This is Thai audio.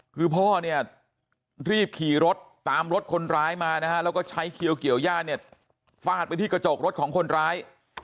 คือพ่อเนี่ยรีบขี่รถตามรถคนร้ายมานะฮะแล้วก็ใช้เขียวเกี่ยวย่าเนี่ยฟาดไปที่กระจกรถของคนร้าย